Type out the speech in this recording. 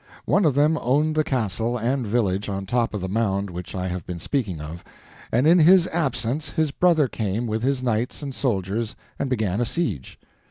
One of them owned the castle and village on top of the mound which I have been speaking of, and in his absence his brother came with his knights and soldiers and began a siege.